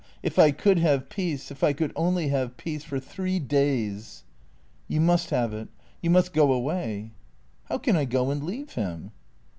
If I could have peace ; if I could only have peace, for three days." " You must have it. You must go away." " How can I go and leave him